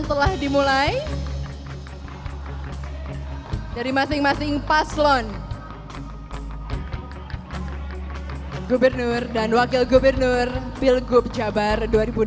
telah dimulai dari masing masing paslon gubernur dan wakil gubernur pilgub jabar dua ribu delapan belas